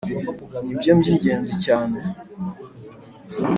nibyo byingenzi cyane